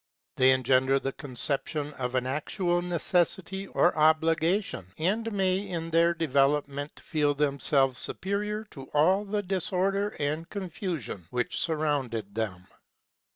They engender the conception of an actual necessity or obligation, and may in their development feel themselves superior to all the disorder and confusion which surrounded them.